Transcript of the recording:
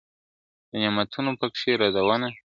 د نعمتونو پکښي رودونه ..